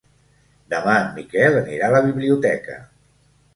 Demà en Miquel anirà a la biblioteca.